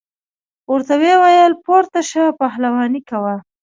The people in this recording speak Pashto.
ورته وویل پورته شه پهلواني کوه.